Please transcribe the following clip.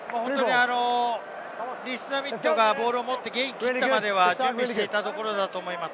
リース＝ザミットがボールを持って、ゲイン切ったまでは準備していたと思います。